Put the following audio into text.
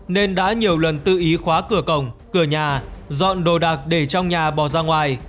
nên đã nhiều lần tự ý khóa cửa cổng cửa nhà dọn đồ đạc để trong nhà bỏ ra ngoài